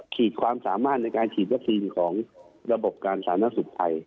ขีดความสามารถในการฉีดวัคซีนของระบบการสาธารณสุขไทย